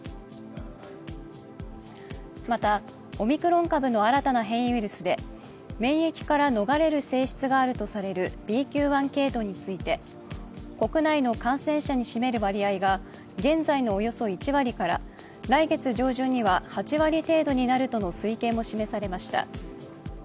またオミクロン株の新たな変異ウイルスで免疫から逃れる性質があるとされるＢＱ．１系統について、国内の感染者に占める割合が現在のおよそ１割から来月上旬には８割程度になるとの推計も示されました。